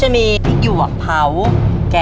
ตัวเลือกที่สี่ชัชวอนโมกศรีครับ